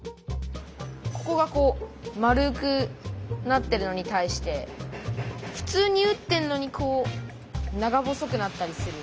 ここがこう円くなってるのに対してふつうに打ってんのにこう長細くなったりする。